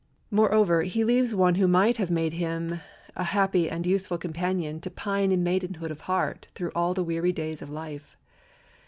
Moreover, he leaves one who might have made him a happy and useful companion to pine in maidenhood of heart through all the weary days of life.